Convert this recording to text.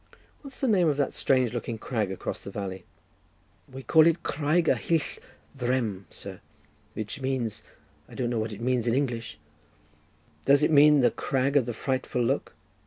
What's the name of that strange looking crag across the valley?" "We call it Craig yr hyll ddrem, sir; which means— I don't know what it means in English." "Does it mean the Crag of the frightful look?"